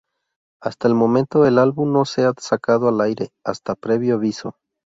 Hasta el momento el álbum no se ha sacado al aire hasta previo aviso.